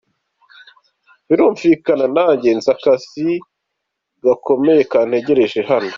Birumvikana nanjye nzi akazi gakomeye kantegereje hano.